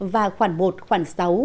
và khoảng một khoảng sáu